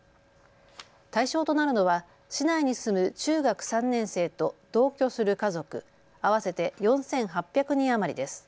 対象となるのは市内に住む中学３年生と同居する家族合わせて４８００人余りです。